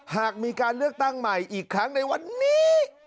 หากมีการเลือกตั้งใหม่อีกครั้งในวันนี้